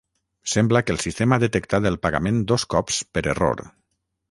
Sembla que el sistema ha detectat el pagament dos cops per error.